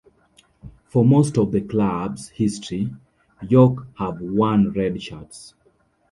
For most of the club's history, York have worn red shirts.